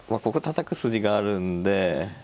ここたたく筋があるんで。